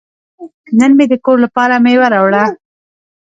نن مې د کور لپاره میوه راوړه.